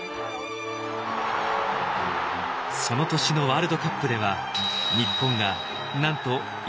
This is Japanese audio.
その年のワールドカップでは日本がなんと優勝候補